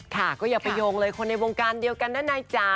ค่ะก็อย่าไปโยงเลยคนในวงการเดียวกันนะนายจ๋า